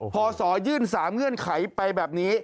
พอสอยื่น๓เงื่อนไขไปแบบนี้